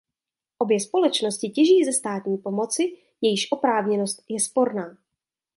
Obě společnosti těží ze státní pomoci, jejíž oprávněnost je sporná.